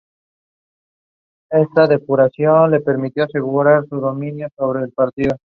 Cuando llega pasa una serie de pruebas.